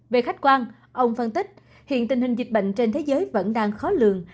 về khách quan ông phân tích hiện tình hình dịch bệnh trên thế giới vẫn đang khó lường